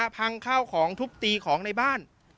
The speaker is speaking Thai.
ข้าวของทุบตีของในบ้าน